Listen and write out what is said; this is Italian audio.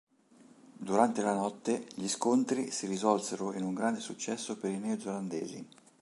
Durante la notte gli scontri si risolsero in un grande successo per i neozelandesi.